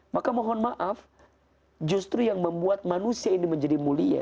maka mohon maaf justru yang membuat manusia ini menjadi mulia